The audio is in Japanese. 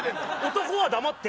男は黙って。